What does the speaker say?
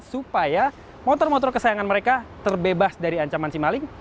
supaya motor motor kesayangan mereka terbebas dari ancaman simaling